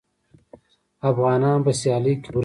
افغانان په سیالۍ کې ورک دي.